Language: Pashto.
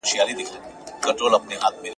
که وخت وي، کتاب وليکم!!!!